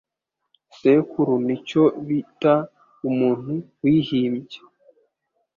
Sekuru nicyo bita umuntu wihimbye.